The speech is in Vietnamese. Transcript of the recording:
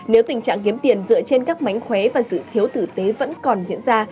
nếu tình trạng kiếm tiền dựa trên các mánh khóe và sự thiếu tử tế vẫn còn diễn ra